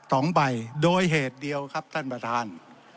สองใบโดยเหตุเดียวครับท่านประธาน